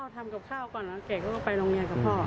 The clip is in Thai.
ทำกับข้าวก่อนแล้วแกก็ไปโรงเรียนกับพ่อ